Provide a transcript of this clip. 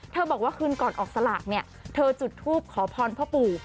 บอกว่าคืนก่อนออกสลากเนี่ยเธอจุดทูปขอพรพ่อปู่